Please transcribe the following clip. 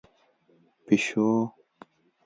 🐈 پېشو